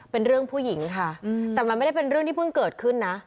เป็นเรื่องผู้หญิงค่ะแต่มันไม่ได้เป็นเรื่องที่เพิ่งเกิดขึ้นนะ